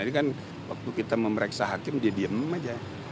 ini kan waktu kita memeriksa hakim dia diem aja